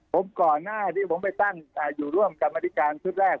ผมก่อนหน้าที่ผมไปตั้งอยู่ร่วมกับมาตริการครั้งแรก